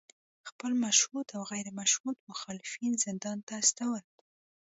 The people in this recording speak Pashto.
خپل مشهود او غیر مشهود مخالفین زندان ته استول